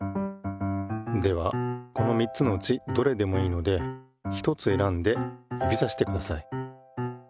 ではこの３つのうちどれでもいいのでひとつ選んで指さしてください。